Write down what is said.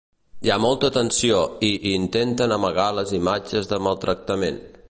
Hi ha molta tensió i intenten amagar les imatges de maltractament.